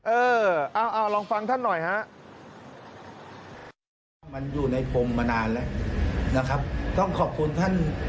เออเอาลองฟังท่านหน่อยฮะ